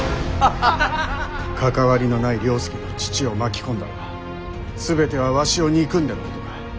関わりのない了助の父を巻き込んだのは全てはわしを憎んでのことか。